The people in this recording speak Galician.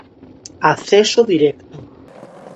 Acceso directo.